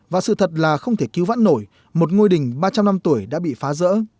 và sự thật là không thể cứu vãn nổi một ngôi đình ba trăm linh năm tuổi đã bị phá rỡ